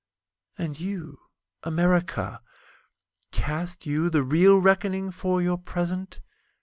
And you, America, Cast you the real reckoning for your present?